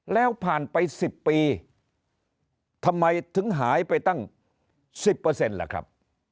แล้วผ่านไป๑๐ปีทำไมถึงหายไปตั้ง๑๐ล่ะครับ